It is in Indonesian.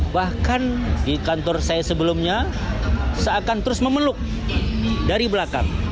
bahkan di kantor saya sebelumnya seakan terus memeluk dari belakang